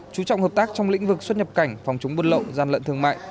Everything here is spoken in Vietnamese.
chú trọng hợp tác trong lĩnh vực xuất nhập cảnh phòng trúng buôn lộng gian lận thương mại